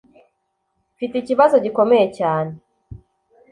Mfite ikibazo gikomeye cyane